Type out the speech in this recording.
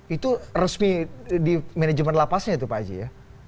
itu resmi di manajemen lapasnya itu pak haji ya